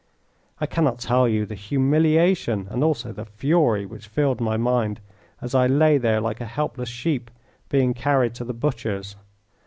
I cannot tell you the humiliation and also the fury which filled my mind as I lay there like a helpless sheep being carried to the butcher's.